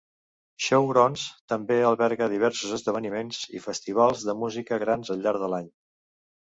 Showgrounds també alberga diversos esdeveniments i festivals de música grans al llarg de l'any.